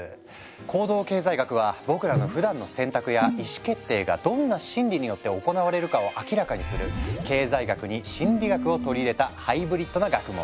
行動経済学は僕らのふだんの選択や意思決定がどんな心理によって行われるかを明らかにする経済学に心理学を取り入れたハイブリッドな学問。